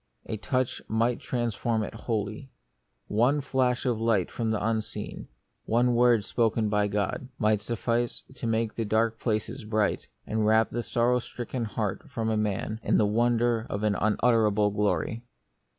A touch might transform it wholly. One flash of light from the Unseen, one word spoken by God, might suffice to make the dark places bright, and wrap the sorrow stricken heart of man in the wonder of an unutterable glory.